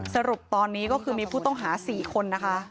สรุปตอนนี้ก็คือมีผู้ต้องหา๔คนนะคะ